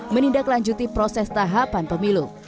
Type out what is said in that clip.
menindaklanjuti proses tahapan pemilu